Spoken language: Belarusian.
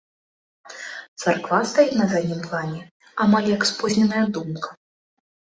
Царква стаіць на заднім плане, амаль як спозненая думка.